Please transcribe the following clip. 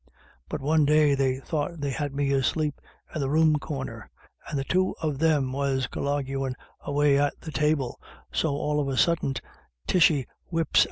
But one day they thought they had me asleep in the room corner, and the two of them was colloguin' away at the table, so all of a suddint Tishy whips 1 COMING AND GOING.